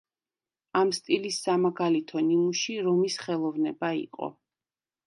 ამ სტილის სამაგალითო ნიმუში რომის ხელოვნება იყო.